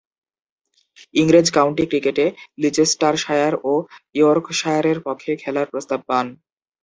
ইংরেজ কাউন্টি ক্রিকেটে লিচেস্টারশায়ার ও ইয়র্কশায়ারের পক্ষে খেলার প্রস্তাব পান।